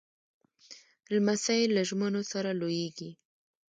لمسی له ژمنو سره لویېږي.